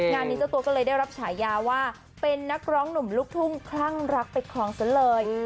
งานนี้เจ้าตัวก็เลยได้รับฉายาว่าเป็นนักร้องหนุ่มลูกทุ่งคลั่งรักไปครองซะเลย